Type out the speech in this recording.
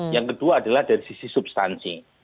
yang kedua adalah dari sisi substansi